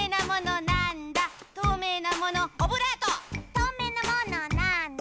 「とうめいなものなんだ？」